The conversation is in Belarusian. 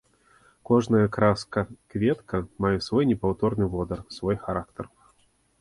Кожная краска-кветка мае свой непаўторны водар, свой характар.